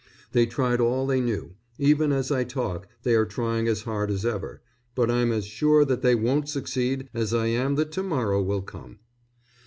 They tried all they knew; even as I talk they are trying as hard as ever, but I'm as sure that they won't succeed as I am that to morrow will come.